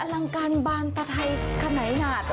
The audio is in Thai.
อลังการบางประไทยขนายหาด